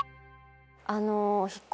あの。